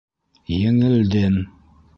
—Еңелдем.